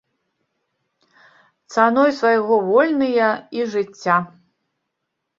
Цаной свайго вольныя і жыцця.